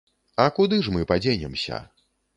А куды ж мы падзенемся?